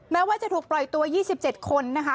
แม้ว่าจะถูกปล่อยตัว๒๗คนนะคะ